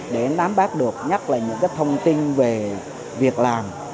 để nắm bát được nhắc lại những thông tin về việc làm